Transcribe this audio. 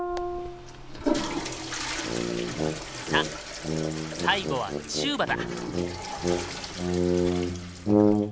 さあ最後はチューバだ。